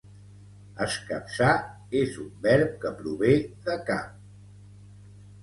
"Escapçar" és un verb que prové de "cap".